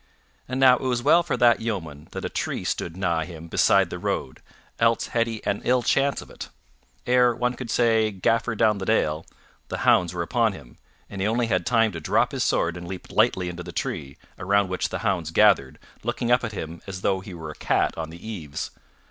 And now it was well for that yeoman that a tree stood nigh him beside the road, else had he had an ill chance of it. Ere one could say "Gaffer Downthedale" the hounds were upon him, and he had only time to drop his sword and leap lightly into the tree, around which the hounds gathered, looking up at him as though he were a cat on the eaves.